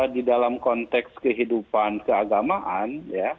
di dalam konteks kehidupan keagamaan